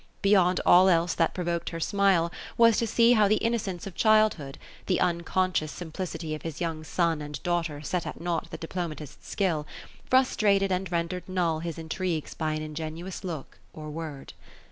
Beyond all else that provoked her smile, was to see how the innocence of childhood — the unconscious simplicity of his young son and daughter set at naught the diplomatist's skill, — frustrated and rendered null his intrigues by an ingenuous look or word.